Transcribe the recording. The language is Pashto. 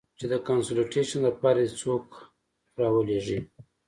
چې د کانسولټېشن د پاره دې څوک ارولېږي.